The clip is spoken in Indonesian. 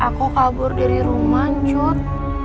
aku kabur dari rumah cut